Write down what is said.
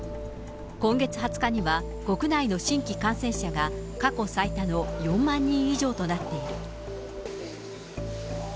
今月２０日には、国内の新規感染者が過去最多の４万人以上となっている。